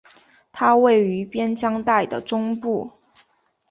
它位于边疆带的中部。